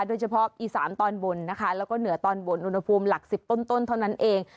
โดยเฉพาะอีสานตอนบนนะคะแล้วก็เหนือตอนบนอุณหภูมิหลัก๑๐ต้นเท่านั้นเอง